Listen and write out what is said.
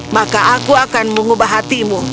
maka aku akan mengubah hatimu